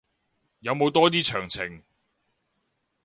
有冇多啲詳情